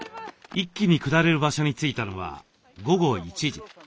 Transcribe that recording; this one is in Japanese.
一気に下れる場所に着いたのは午後１時。